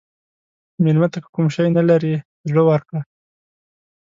مېلمه ته که کوم شی نه لرې، زړه ورکړه.